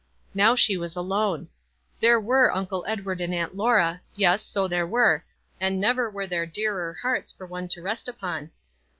Now she was alone. There were Uncle Edward and Aunt Laura. Yes, so there were ; and never were there dearer hearts for one to rest upon.